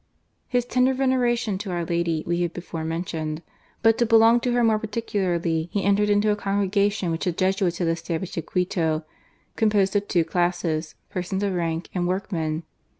His tender veneration to our Lady we have before mentioned ; but to belong to her more particularly he entered into a congregation which the Jesuits had established at Quito, composed of two classes, persons of, rank and workmen.